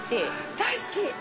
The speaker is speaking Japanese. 大好き！